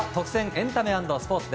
エンタメ＆スポーツ。